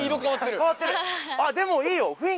でもいいよ。